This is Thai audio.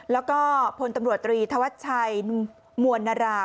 แล้วก็พตตรีนเทวัตชัยหมวนณรา